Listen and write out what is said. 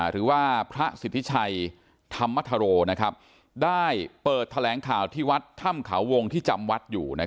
หรือว่าพระสิทธิชัยธรรมธโรได้เปิดแถลงข่าวที่วัดถ้ำเขาวงที่จำวัดอยู่